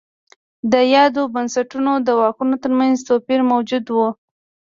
د یادو بنسټونو د واکونو ترمنځ توپیر موجود و.